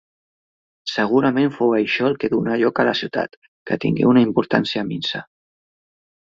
Segurament fou això el que donà lloc a la ciutat, que tingué una importància minsa.